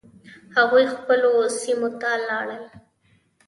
هغوی خپلو سیمو ته ولاړل.